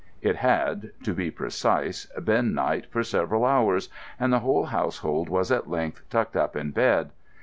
It had, to be precise, been night for several hours, and the whole household was at length tucked up in bed.